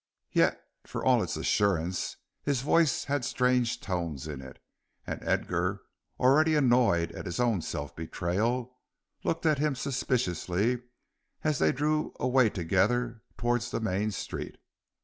Yet for all its assurance his voice had strange tones in it, and Edgar, already annoyed at his own self betrayal, looked at him suspiciously as they drew away together towards the main street.